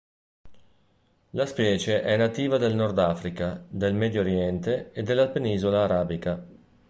La specie è nativa del Nord Africa, del Medio oriente e della penisola arabica.